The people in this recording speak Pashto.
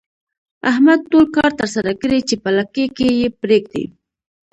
احمد ټول کار ترسره کړي په لکۍ کې یې پرېږدي.